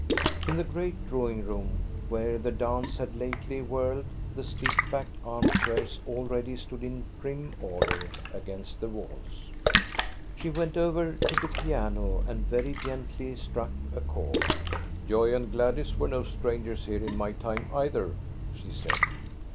In the great drawing room, where the dance had lately whirled, the stiff backed arm chairs already stood in prim order against the walls. She went over to the piano, and very gently struck a chord. " Joy and gladness were no strangers here in my time, either," she said.